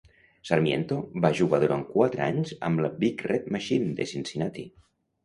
Sarmiento va jugar durant quatre anys amb la "Big Red Machine" de Cincinnati.